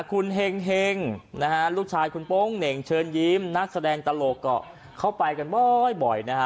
คุณเห็งนะฮะลูกชายคุณโป๊งเหน่งเชิญยิ้มนักแสดงตลกก็เข้าไปกันบ่อยนะฮะ